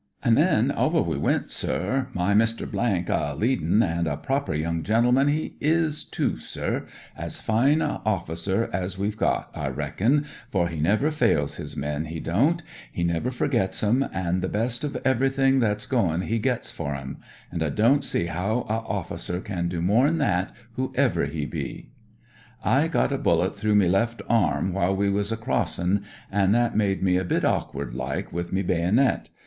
An' then over we went, sir, my Mr. a leadm', an* a proper young gen*elman he is, too, sir; as fine a officer as we've got, I reckon, for he never fails his men, he don't, he never forgets 'em, an' the best of everything that's going he gets for 'em ; an' I don't see how a officer can do more'n that, whoever he be. I got a bullet through me left arm while we was crossin', an' that made me a bit awkward like wi' me baynit.